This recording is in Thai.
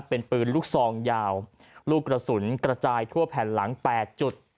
เป็นปืนลูกซองยาวลูกกระสุนกระจายทั่วแผ่นหลัง๘จุด